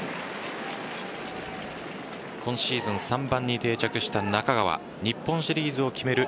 今シーズン、３番に定着した中川日本シリーズを決める